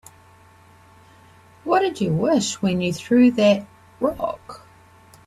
What'd you wish when you threw that rock?